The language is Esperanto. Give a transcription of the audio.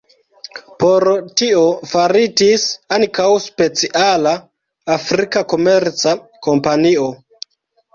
Por tio faritis ankaŭ speciala afrika komerca kompanio.